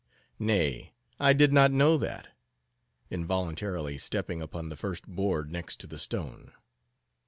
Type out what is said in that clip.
"Nay, I did not know that," involuntarily stepping upon the first board next to the stone.